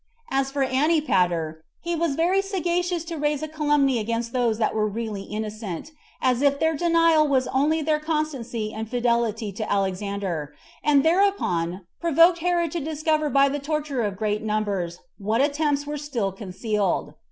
As for Antipater, he was very sagacious to raise a calumny against those that were really innocent, as if their denial was only their constancy and fidelity [to Alexander], and thereupon provoked Herod to discover by the torture of great numbers what attempts were still concealed.